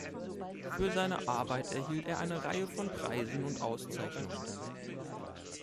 Für seine Arbeit erhielt er eine Reihe von Preisen und Auszeichnungen.